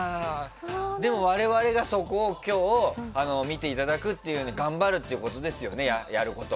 でも我々がそこを今日、見ていただくために頑張るということですよね。